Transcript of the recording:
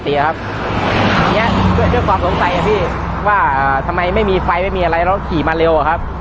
ทีนี้ด้วยความสงสัยทำไมไม่มีไฟไม่มีอะไรแล้วขี่มาเร็ว